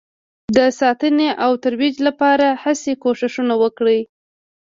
د ساتنې او ترویج لپاره هڅې او کوښښونه وکړئ